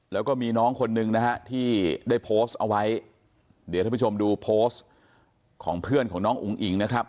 แล้วก็มีน้องคนนึงนะฮะที่ได้โพสต์เอาไว้เดี๋ยวท่านผู้ชมดูโพสต์ของเพื่อนของน้องอุ๋งอิ๋งนะครับ